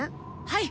はい！